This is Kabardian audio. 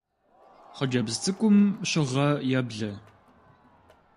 Хъыджэбз цӀыкӀум щыгъэ еблэ.